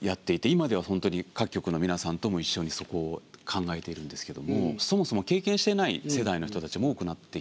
今では本当に各局の皆さんとも一緒にそこを考えているんですけどもそもそも経験していない世代の人たちも多くなってきた。